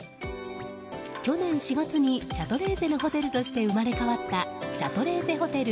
去年４月に、シャトレーゼのホテルとして生まれ変わったシャトレーゼホテル